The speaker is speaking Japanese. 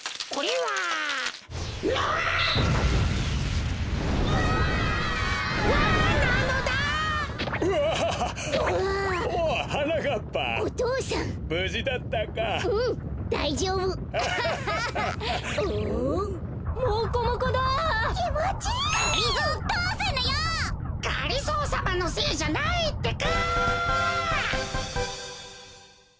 がりぞーさまのせいじゃないってか！